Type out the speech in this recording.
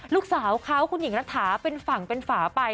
ลูกสาวเขาคุณหญิงรัฐาเป็นฝั่งเป็นฝาไป